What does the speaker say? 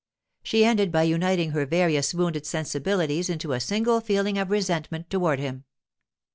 She ended by uniting her various wounded sensibilities into a single feeling of resentment toward him.